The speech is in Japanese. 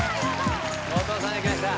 後藤さんがきました